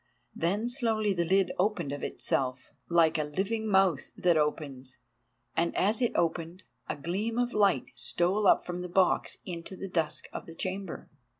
Then slowly the lid opened of itself, like a living mouth that opens, and as it opened, a gleam of light stole up from the box into the dusk of the chamber.